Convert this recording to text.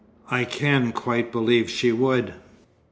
I can quite believe she would.